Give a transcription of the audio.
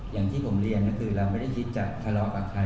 อย่างที่ผมเรียนก็คือเราไม่ได้คิดจะทะเลาะกับใคร